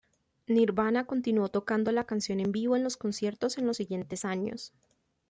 Nirvana continuó tocando la canción en vivo en los conciertos en los siguientes años.